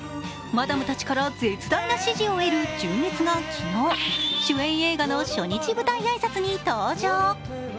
マダムたちから絶大な支持を得る純烈が昨日、主演映画の初日舞台挨拶に登場。